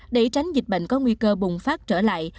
để tránh dịch bệnh có nguy cơ bùng phát trở lại